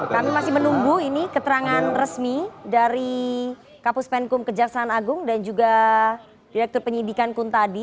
kami masih menunggu ini keterangan resmi dari kapus penkum kejaksaan agung dan juga direktur penyidikan kuntadi